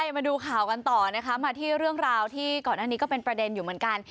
มาดูข่าวกันต่อนะคะมาที่เรื่องราวที่ก่อนหน้านี้ก็เป็นประเด็นอยู่เหมือนกัน